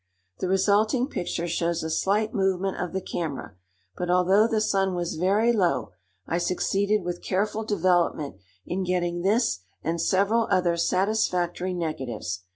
The resulting picture shows a slight movement of the camera; but although the sun was very low, I succeeded with careful development in getting this and several other satisfactory negatives.